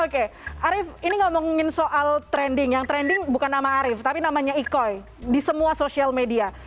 oke arief ini ngomongin soal trending yang trending bukan nama arief tapi namanya ikoi di semua sosial media